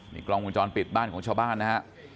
มีกล้องมุมจรปิดบ้านของชาวบ้านนะครับ